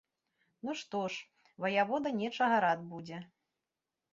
Ну, што ж, ваявода нечага рад будзе.